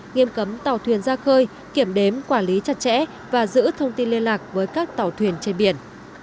nghiêm cấm tàu thuyền ra khơi kiểm đếm quản lý chặt chẽ và giữ thông tin liên lạc với các tàu thuyền trên biển